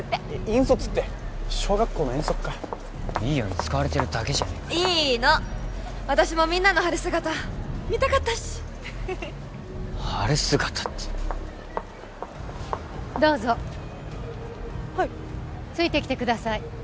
引率って小学校の遠足かいいように使われてるだけじゃねえかいいの私もみんなの晴れ姿見たかったし晴れ姿ってどうぞはいついてきてください